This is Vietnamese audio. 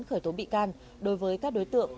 khởi tố bị can đối với các đối tượng